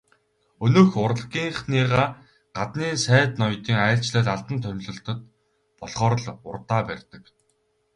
Өнөөх урлагийнхныгаа гаднын сайд ноёдын айлчлал, албан томилолт болохоор л урдаа барьдаг.